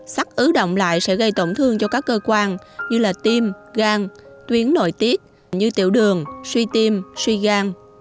sắc ứ động lại sẽ gây tổn thương cho các cơ quan như là tim gan tuyến nội tiết như tiểu đường suy tim suy gan